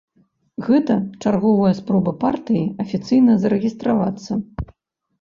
Гэта чарговая спроба партыі афіцыйна зарэгістравацца.